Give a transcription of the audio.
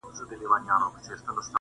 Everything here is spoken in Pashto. زه به ولي نن د دار سر ته ختلاى،